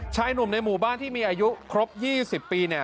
ชายหนุ่มในหมู่บ้านที่มีอายุครบ๒๐ปี